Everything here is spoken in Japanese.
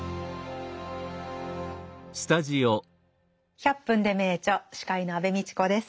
「１００分ｄｅ名著」司会の安部みちこです。